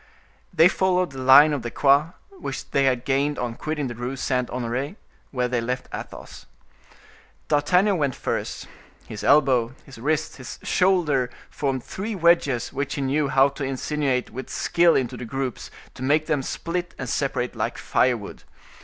They followed the line of the Quai, which they had gained on quitting the Rue Saint Honore, where they left Athos. D'Artagnan went first; his elbow, his wrist, his shoulder formed three wedges which he knew how to insinuate with skill into the groups, to make them split and separate like firewood.